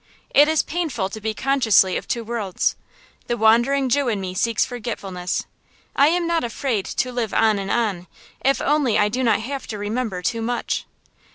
It is painful to be consciously of two worlds. The Wandering Jew in me seeks forgetfulness. I am not afraid to live on and on, if only I do not have to remember too much.